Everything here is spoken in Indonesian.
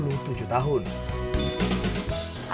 aku sangat mencintainya